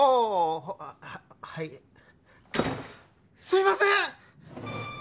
すいません！